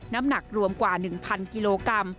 น้ำหนักรวมกว่า๑๐๐กิโลกรัม